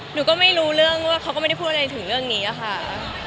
หนูก็ไม่รู้เรื่องว่าเขาก็ไม่ได้พูดอะไรถึงเรื่องนี้อะค่ะ